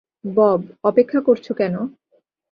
Bob, অপেক্ষা করছো কেন?